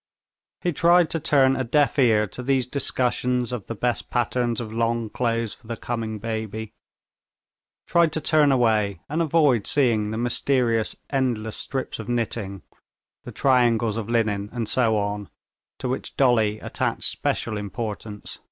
He tried to turn a deaf ear to these discussions of the best patterns of long clothes for the coming baby; tried to turn away and avoid seeing the mysterious, endless strips of knitting, the triangles of linen, and so on, to which Dolly attached special importance.